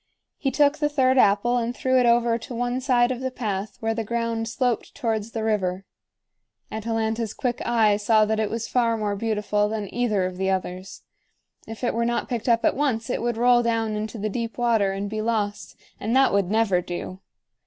He took the third apple and threw it over to one side of the path where the ground sloped towards the river. Atalanta's quick eye saw that it was far more beautiful than either of the others. If it were not picked up at once it would roll down into the deep water and be lost, and that would never do.